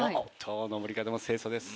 登り方も清楚です。